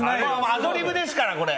アドリブですから、これ。